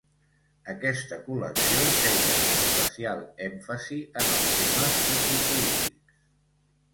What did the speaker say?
Aquesta col·lecció feia especial èmfasi en els temes sociopolítics.